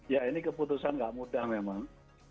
ya ini keputusan nggak mudah memang